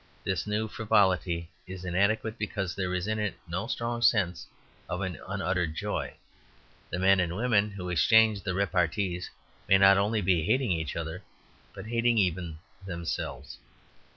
This new frivolity is inadequate because there is in it no strong sense of an unuttered joy. The men and women who exchange the repartees may not only be hating each other, but hating even themselves.